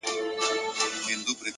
هر منزل د نوې موخې زېری راوړي.!